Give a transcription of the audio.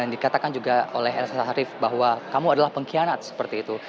dikatakan juga oleh elsa sharif bahwa kamu adalah pengkhianat seperti itu